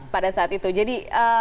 pada saat itu jadi